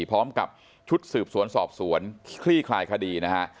พร้อมกับชุดสืบสวนสอบสวนคลี่คลายคดีนะฮะ